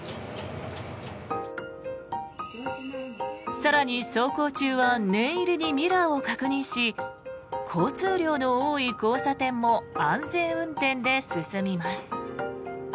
更に、走行中は念入りにミラーを確認し交通量の多い交差点も安全運転で進みます。